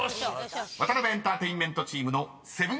［ワタナベエンターテインメントチームのセブンコード］